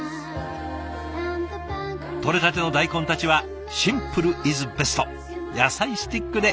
とれたての大根たちはシンプルイズベスト野菜スティックで。